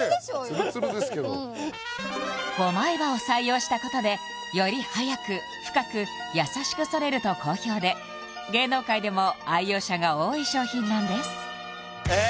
ツルツルですけど５枚刃を採用したことでより早く深く優しく剃れると好評で芸能界でも愛用者が多い商品なんですえっ